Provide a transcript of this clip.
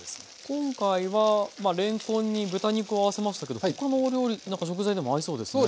今回はれんこんに豚肉を合わせましたけど他のお料理なんか食材でも合いそうですね。